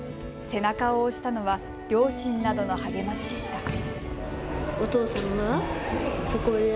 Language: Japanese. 背中を押したのは両親などの励ましでした。